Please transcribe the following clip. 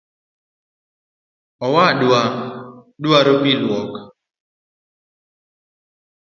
Owadwa dwaro pii luok